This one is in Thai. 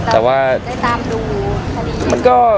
แต่ว่า